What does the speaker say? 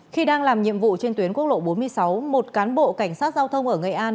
khi đang làm nhiệm vụ trên tuyến quốc lộ bốn mươi sáu một cán bộ cảnh sát giao thông ở nghệ an